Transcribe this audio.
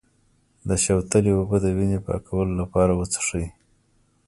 د شوتلې اوبه د وینې پاکولو لپاره وڅښئ